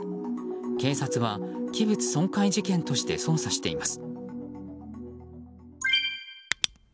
警察は器物損壊事件として捜査しています。